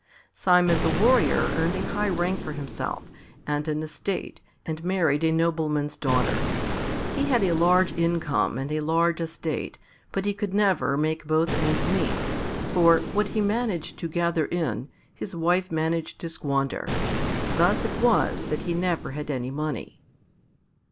Simon the Warrior earned a high rank for himself and an estate and married a nobleman's daughter. He had a large income and a large estate, but he could never make both ends meet, for, what he managed to gather in, his wife managed to squander; thus it was that he never had any money.